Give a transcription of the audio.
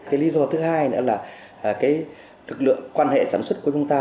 cái lý do thứ hai nữa là cái lực lượng quan hệ sản xuất của chúng ta